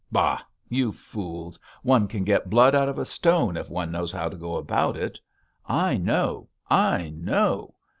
Bah! you fools, one can get blood out of a stone if one knows how to go about it. I know! I know!